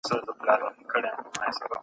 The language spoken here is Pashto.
نيک عمل انسان جنت ته رسوي.